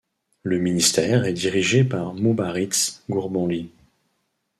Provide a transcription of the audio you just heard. Le ministère est dirigé par Mubariz Gourbanli.